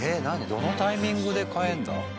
どのタイミングで換えるんだ？